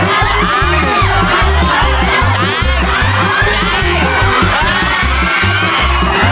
โอ้โอ้โอ้โอ้โอ้โอ้